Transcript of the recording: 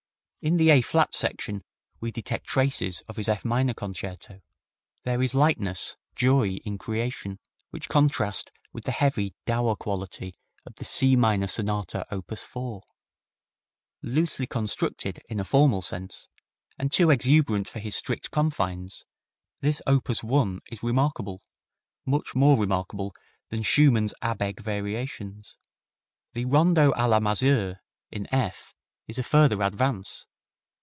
In the A flat section we detect traces of his F minor Concerto. There is lightness, joy in creation, which contrast with the heavy, dour quality of the C minor Sonata, op. 4. Loosely constructed, in a formal sense, and too exuberant for his strict confines, this op. 1 is remarkable, much more remarkable, than Schumann's Abegg variations. The Rondo a la Mazur, in F, is a further advance.